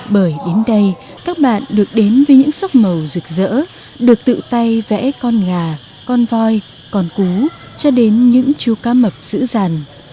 bởi đến đây các bạn được đến với những sóc màu rực rỡ được tự tay vẽ con gà con voi con cú cho đến những chú cá mập dữ dằn